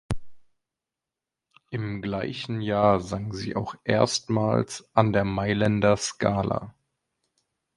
Im gleichen Jahr sang sie auch erstmals an der Mailänder Scala.